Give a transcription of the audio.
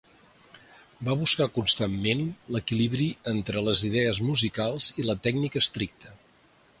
Va buscar constantment l'equilibri entre les idees musicals i la tècnica estricta.